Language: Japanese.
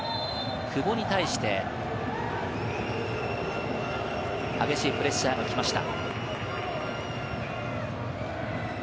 久保に対して、激しいプレッシャーが来ました。